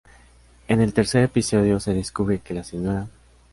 En el tercer episodio se descubre que la Sra.